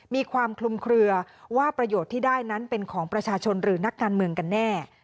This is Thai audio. มีความคลุมเคลือว่าประโยชน์ที่ได้นั้นเป็นของประชาชนหรือนักการเมืองกันแน่